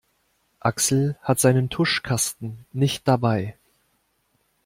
Axel hat seinen Tuschkasten nicht dabei.